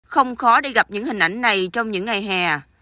không khó để gặp những hình ảnh này trong những ngày hè